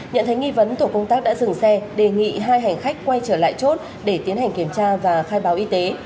nhận thấy nghi vấn tổ công tác đã dừng xe đề nghị hai hành khách quay trở lại chốt để tiến hành kiểm tra và khai báo y tế